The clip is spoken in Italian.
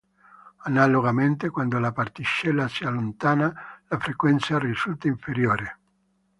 Analogamente, quando la particella si allontana, la frequenza risulta inferiore.